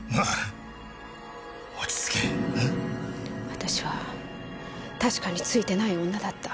私は確かにツイてない女だった。